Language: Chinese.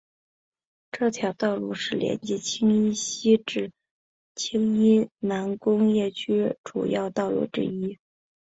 这条道路是连接青衣西至青衣南工业区主要道路之一。